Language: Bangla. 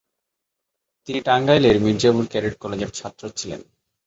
তিনি টাঙ্গাইলের মির্জাপুর ক্যাডেট কলেজের ছাত্র ছিলেন।